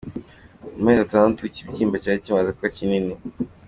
Mu mezi atandatu ikibyimba cyari kimaze kuba kinini.